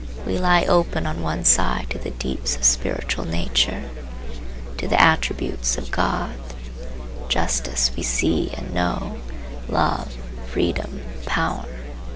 We lie open on one side to the deeps of spiritual nature, to the attributes of God. Justice we see and know, Love, Freedom, Power.